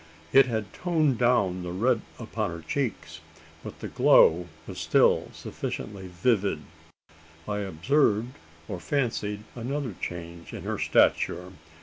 It had toned down the red upon her cheeks, but the glow was still sufficiently vivid. I observed or fancied another change in her stature.